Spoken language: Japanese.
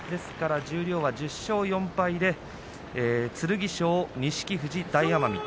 十両は１０勝４敗で剣翔、錦富士、大奄美。